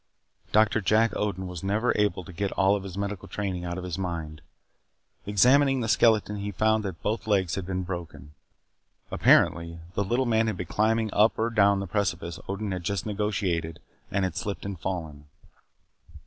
Doctor Jack Odin was never able to get all of his medical training out of his mind. Examining the skeleton he found that both legs had been broken. Apparently, the little man had been climbing up or down the precipice Odin had just negotiated and had slipped and fallen.